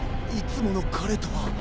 いつもの彼とは。